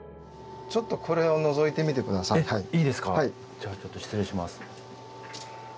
じゃあちょっと失礼します。